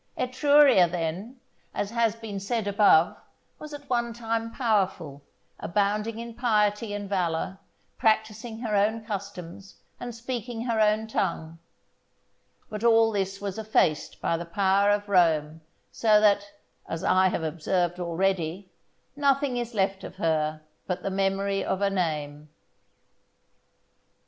Etruria, then, as has been said above, was at one time powerful, abounding in piety and valour, practising her own customs, and speaking her own tongue; but all this was effaced by the power of Rome, so that, as I have observed already, nothing is left of her but the memory of a name.